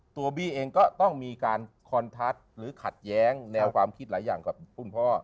บี้เองก็ต้องมีการคอนทัศน์หรือขัดแย้งแนวความคิดหลายอย่างกับคุณพ่อ